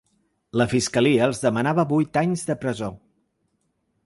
La fiscalia els demanava vuit anys de presó.